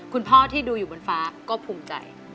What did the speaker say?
คุณพ่อที่ดูอยู่บนฟ้าก็ภูมิใจ